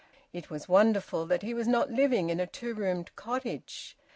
It was wonderful that he was not living in a two roomed cottage.